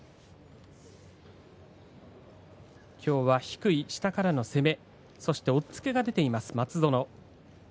きょうは低い下からの攻め押っつけが出ている松園。